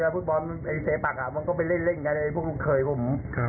พื้นปลอดภัยเศรษฐ์ปากก็ไปเล่นอย่างกันพวกเคยพวก